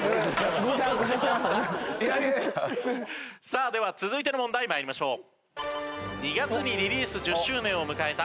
さあでは続いての問題参りましょう。